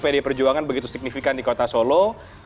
pdi perjuangan begitu signifikan di kota solo